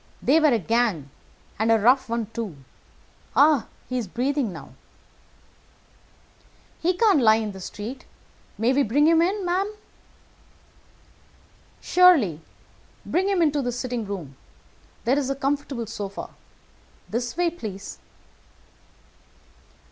They were a gang, and a rough one, too. Ah! he's breathing now." "He can't lie in the street. May we bring him in, marm?" "Surely. Bring him into the sitting room. There is a comfortable sofa. This way, please."